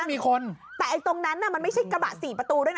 มีคนแต่ไอ้ตรงนั้นน่ะมันไม่ใช่กระบะสี่ประตูด้วยนะ